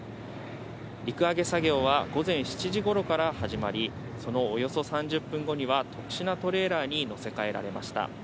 陸揚げ作業は午前７時頃から始まり、そのおよそ３０分後には特殊なトレーラーに載せ替えられました。